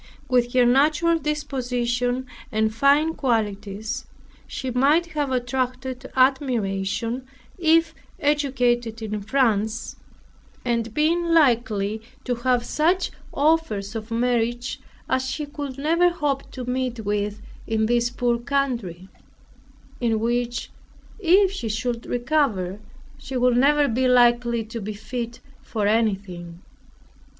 With her natural disposition and fine qualities, she might have attracted admiration, if educated in France, and been likely to have such offers of marriage, as she could never hope to meet with in this poor country; in which, if she should recover, she would never be likely to be fit for anything.